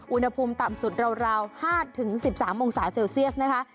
อุณหภูมิต่ำสุดราว๕๑๓องศาเซลเซียสนะคะ